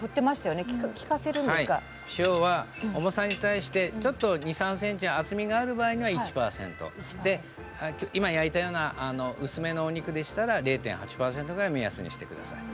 塩は重さに対して２３ｃｍ厚みがある場合には１％。で今焼いたような薄めのお肉でしたら０．８％ぐらいを目安にして下さい。